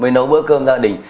mới nấu bữa cơm gia đình